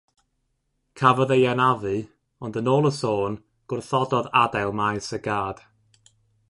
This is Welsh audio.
Cafodd ei anafu, ond yn ôl y sôn gwrthododd adael maes y gad.